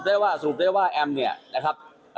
คือสรุปได้ว่าแอมมนี่นะครับ